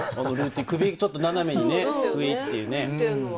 首をちょっと斜めにクイっていう。